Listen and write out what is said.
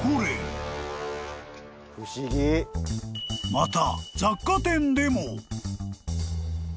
［また］